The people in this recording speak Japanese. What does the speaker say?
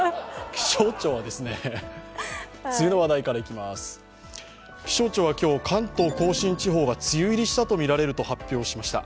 気象庁は今日、関東甲信地方が梅雨入りしたとみられると発表しました。